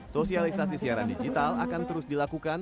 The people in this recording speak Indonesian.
sosialisasi siaran digital akan terus dilakukan